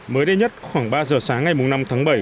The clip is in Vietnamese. mới đây nhất khoảng ba giờ sáng ngày năm tháng bảy